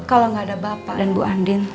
kalau gak ada bapak dan bu andin